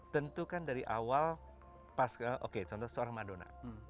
tentu kan dari awal pas oke contoh seorang madona